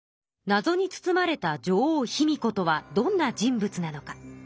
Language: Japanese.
なぞに包まれた女王・卑弥呼とはどんな人物なのか。